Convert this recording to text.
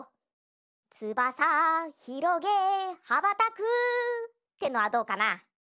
「つばさひろげはばたく」ってのはどうかな？